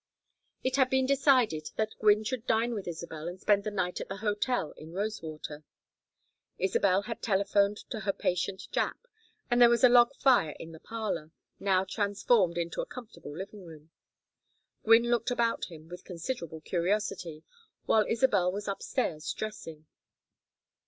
It had been decided that Gwynne should dine with Isabel and spend the night at the hotel in Rosewater. Isabel had telephoned to her patient Jap, and there was a log fire in the "parlor" now transformed into a comfortable living room. Gwynne looked about him with considerable curiosity while Isabel was up stairs dressing.